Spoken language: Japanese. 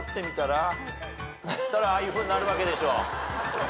そしたらああいうふうになるわけでしょ。